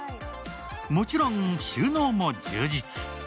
もちろん収納も充実。